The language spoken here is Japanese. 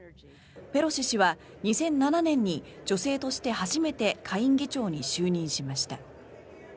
ペロシ氏は２００７年に女性として初めて下院議長に就任しました。